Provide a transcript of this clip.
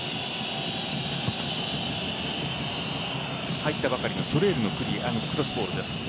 入ったばかりのソレールのクロスボールです。